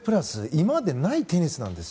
今までにないテニスなんです。